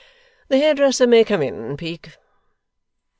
The hairdresser may come in, Peak!